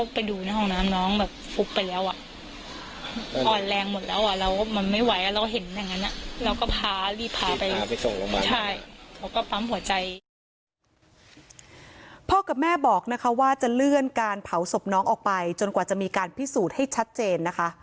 กับแม่บอกนะคะว่าจะเลื่อนการเผาศพน้องออกไปจนกว่าจะมีการพิสูจน์ให้ชัดเจนนะคะ